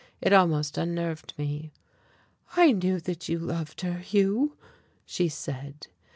It almost unnerved me. "I knew that you loved her, Hugh," she said.